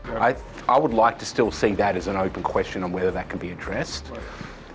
ada cara lain yang saya rasa ipf bisa memberikan kesempatan keberadaan jenis